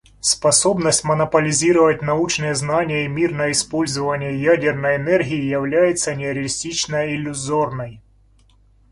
Способность монополизировать научные знания и мирное использование ядерной энергии является нереалистично иллюзорной.